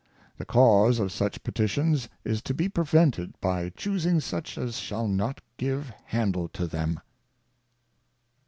The cause of such Petitions is to be prevented by Chusing such as shall not give handle for them.